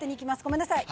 ごめんなさい。